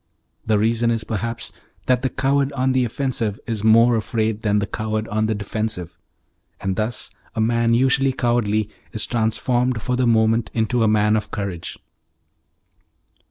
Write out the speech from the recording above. The reason is, perhaps, that the coward on the offensive is more afraid than the coward on the defensive, and thus a man usually cowardly is transformed for the moment into a man of courage.